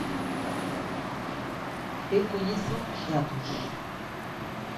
Eu coñezo os datos.